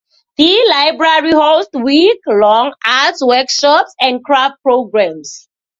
The library hosts week-long arts workshops and craft programs.